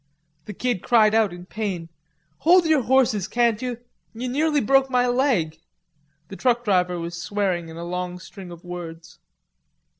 The Kid cried out in pain: "Hold your horses, can't you? You nearly broke my leg." The truck driver was swearing in a long string of words.